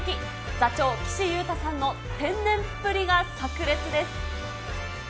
座長、岸優太さんの天然っぷりがさく裂です。